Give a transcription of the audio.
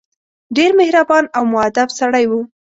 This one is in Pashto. ډېر مهربان او موءدب سړی وو.